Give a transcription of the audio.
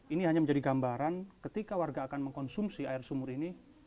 ini hanya menjadi gambaran ketika warga akan mengkonsumsi air sumur ini